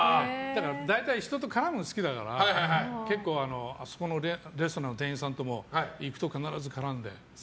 大体、人と絡むのが好きだから結構、あそこのレストランの店員さんとも行くと必ず絡んで。